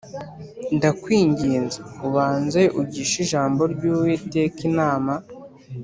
Ndakwinginze ubanze ugishe ijambo ry Uwiteka inama